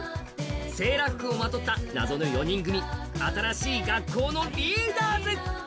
セーラー服をまとった謎の４人組、新しい学校のリーダーズ。